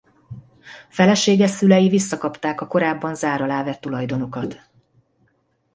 Felesége szülei visszakapták a korábban zár alá vett tulajdonukat.